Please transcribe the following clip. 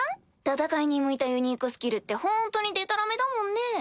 戦いに向いたユニークスキルってホントにデタラメだもんね。